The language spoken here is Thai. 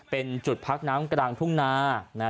เป็นจุดพักน้ำกลางทุ่งนา